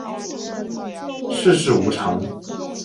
世事无常